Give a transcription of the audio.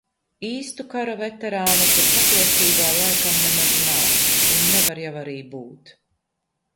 Īstu kara veterānu tur patiesībā laikam nemaz nav. Un nevar jau arī būt.